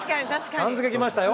「さん」付け来ましたよ。